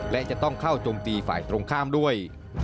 และจะต้องเข้าโจมตีฝ่ายตรงข้ามด้วย